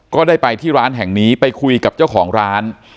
ก็ได้ไปที่ร้านแห่งนี้ไปคุยกับเจ้าของร้าน